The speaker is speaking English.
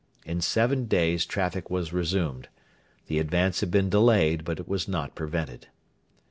In seven days traffic was resumed. The advance had been delayed, but it was not prevented.